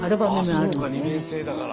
そうか２年制だから。